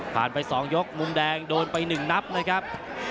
ผ่านไป๒ยกมุมแดงโดนไป๑นับเลยครับ